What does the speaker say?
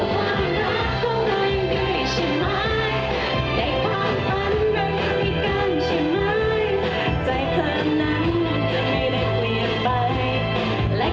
ว่าเธอจะไม่ทำให้ฉันก็ร้องไห้